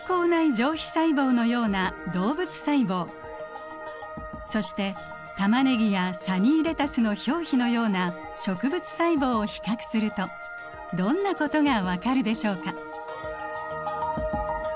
上皮細胞のような動物細胞そしてタマネギやサニーレタスの表皮のような植物細胞を比較するとどんなことが分かるでしょうか？